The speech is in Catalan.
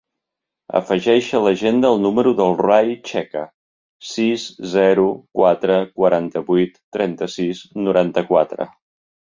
Afegeix a l'agenda el número del Rai Checa: sis, zero, quatre, quaranta-vuit, trenta-sis, noranta-quatre.